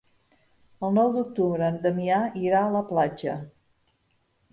El nou d'octubre en Damià irà a la platja.